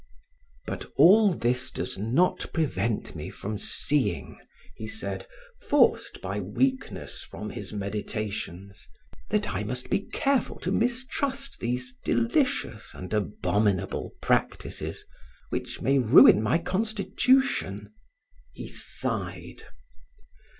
"But all this does not prevent me from seeing," he said, forced by weakness from his meditations, "that I must be careful to mistrust these delicious and abominable practices which may ruin my constitution." He sighed.